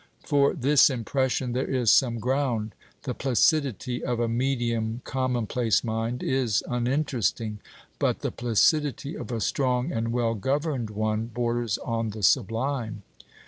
For this impression there is some ground. The placidity of a medium commonplace mind is uninteresting, but the placidity of a strong and well governed one borders on the sublime.